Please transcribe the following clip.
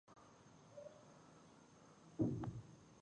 هغه په دې پیسو کاري ځواک او تخم پېري